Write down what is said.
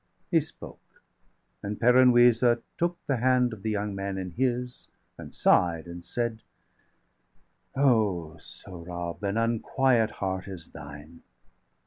He spoke; and Peran Wisa took the hand Of the young man in his, and sigh'd, and said: "O Sohrab, an unquiet heart is thine!